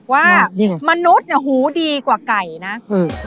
ว่ามนุษย์เนี่ยหูดีกว่าไก่นะ